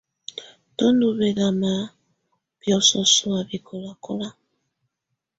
Tù ndù bɛlama biɔ̀sɔ sɔ̀á bɛkɔlakɔla.